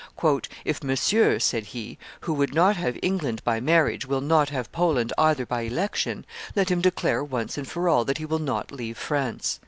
"If Monsieur," said he, "who would not have England by marriage, will not have Poland either by election, let him declare once for all that he will not leave France."